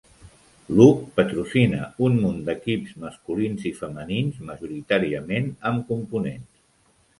Look patrocina un munt d'equips masculins i femenins majoritàriament amb components.